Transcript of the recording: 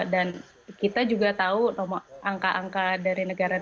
dan kita juga tahu angka angka dari negara